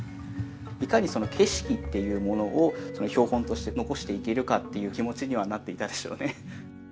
いかにその景色っていうものを標本として残していけるかっていう気持ちにはなっていたでしょうね。